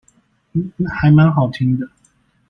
還蠻好聽的